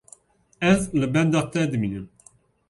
Ez li benda te dimînim.